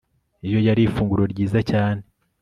iyo yari ifunguro ryiza cyane